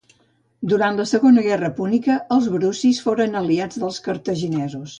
Durant la Segona Guerra Púnica els brucis foren aliats dels cartaginesos.